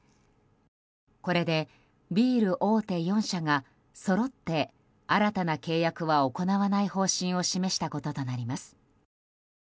これでビール大手４社がそろって新たな契約は行わない方針を示したこととなります。